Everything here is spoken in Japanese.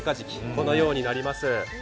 このようになります。